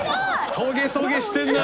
トゲトゲしてんな。